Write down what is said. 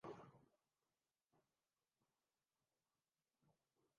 مارچ سے شروع ہوکر جون تک چترال کی خوبصورتی اپنے عروج پر پہنچ جاتی ہے